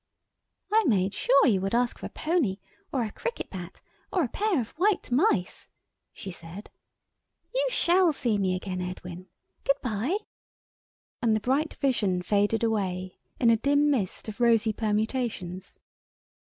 "I made sure you would ask for a pony or a cricket bat or a pair of white mice," she said. "You shall see me again, Edwin. Goodbye." And the bright vision faded away in a dim mist of rosy permutations.